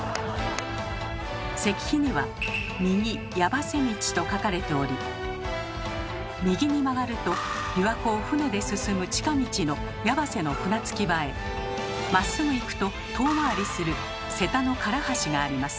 石碑には「右やばせ道」と書かれており右に曲がると琵琶湖を船で進む近道の矢橋の船着き場へまっすぐ行くと遠回りする瀬田の唐橋があります。